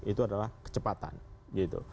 itu adalah kecepatan gitu